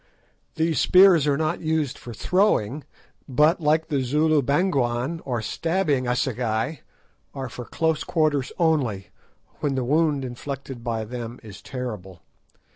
These spears are not used for throwing but like the Zulu "bangwan," or stabbing assegai, are for close quarters only, when the wound inflicted by them is terrible.